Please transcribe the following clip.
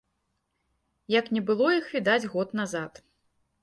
Як не было іх відаць год назад.